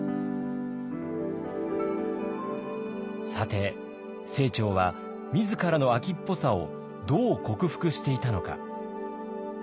さて清張は自らの飽きっぽさをどう克服していたのか。